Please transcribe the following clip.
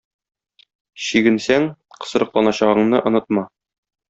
Чигенсәң кысрыкланачагыңны онытма.